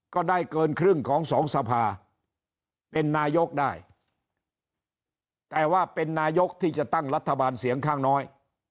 ก็ได้เกินครึ่งของสองสภาเป็นนายกได้แต่ว่าเป็นนายกที่จะตั้งรัฐบาลเสียงข้างน้อย